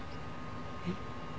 えっ？